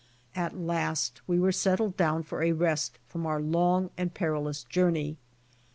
At last we were settled down for a rest from our long and perilous journey.